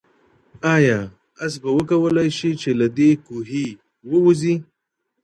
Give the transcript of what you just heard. آیا آس به وکولای شي چې له دې کوهي ووځي؟